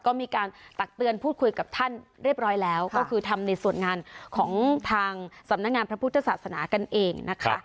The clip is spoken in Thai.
ก็มีการตักเตือนพูดคุยกับท่านเรียบร้อยแล้วก็คือทำในส่วนงานของทางสำนักงานพระพุทธศาสนากันเองนะคะ